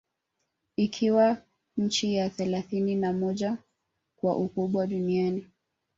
Ikiwa nchi ya thelathini na moja kwa ukubwa Duniani